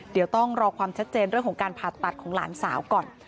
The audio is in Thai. เดี๋ยวต้องรอความชัดเจนเรื่องของการผ่าตัดของหลานสาวก่อน